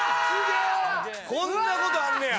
こんなことあんねや！